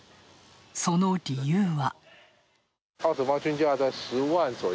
その理由は。